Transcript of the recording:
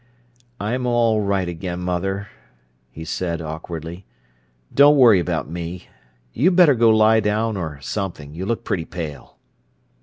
"I'm all right again, mother," he said awkwardly. "Don't worry about me: you'd better go lie down, or something; you look pretty pale."